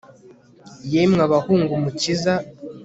yemwe abahunga umukiza